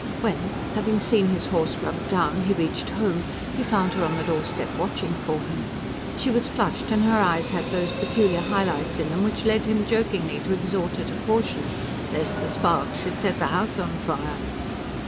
When, having seen his horse rubbed down, he reached home, he found her on the doorstep watching for him. She was flushed, and her eyes had those peculiar high lights in them which led him jokingly to exhort her to caution: "Lest the sparks should set the house on fire!"